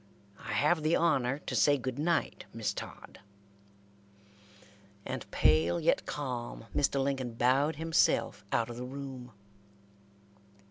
I have the honor to say good night, Miss Todd," and pale, yet calm, Mr. Lincoln bowed himself out of the room.